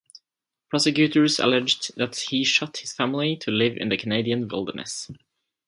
Prosecutors alleged that he shot his family to live in the Canadian wilderness.